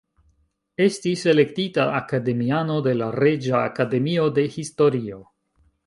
Estis elektita akademiano de la Reĝa Akademio de Historio.